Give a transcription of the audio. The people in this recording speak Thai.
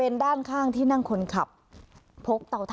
อันดับที่สุดท้าย